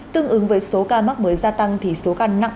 tương ứng với số ca mắc mới gia tăng thì số ca nặng